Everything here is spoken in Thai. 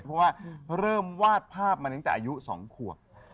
เพราะว่าเริ่มวาดภาพมาตั้งแต่อายุ๒ขวบ